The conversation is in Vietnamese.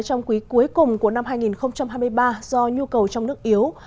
trong quý cuối cùng của năm hai nghìn hai mươi ba do nhu cầu trong nước yếu